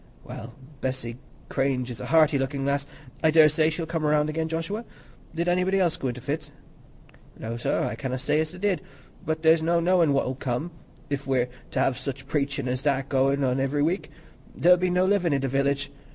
"Well, Bessy Cranage is a hearty looking lass; I daresay she'll come round again, Joshua. Did anybody else go into fits?" "No, sir, I canna say as they did. But there's no knowin' what'll come, if we're t' have such preachin's as that a goin' on ivery week—there'll be no livin' i' th' village.